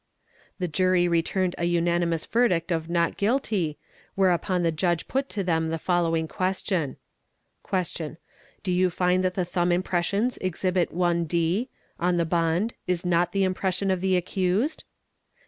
"The Jury returned a unanimous verdict of not guilty, bis abit ies | the Judge put to them the following question :—"@. Do you find that the thumb impressions Exhibit I. (d)—on the | bond—is not the impression of the accused